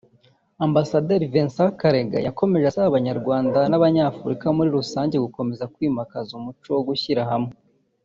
Ambasaderi Vicent Karega yakomeje asaba Abanyarwanda n’Abanyafurika muri rusange gukomeza kwimakaza umuco wo gushyira hamwe